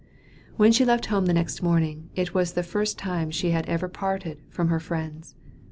When she left home the next morning, it was the first time she had ever parted from her friends.